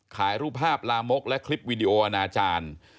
ขายรูปภาพลามกและคลิปวิดีโออนาจารย์